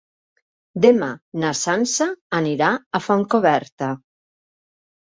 Demà na Sança anirà a Fontcoberta.